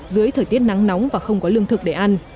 dưới thời tiết nắng nóng và không có lương thực để ăn